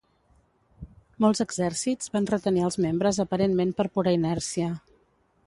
Molts exèrcits van retenir els membres aparentment per pura inèrcia.